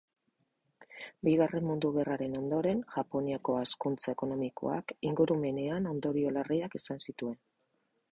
Bigarren Mundu Gerraren ondoren, Japoniako hazkuntza ekonomikoak ingurumenean ondorio larriak izan zituen.